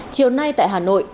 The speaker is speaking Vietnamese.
chiều nay tại hà nội